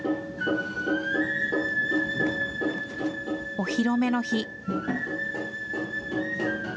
お披露目の日。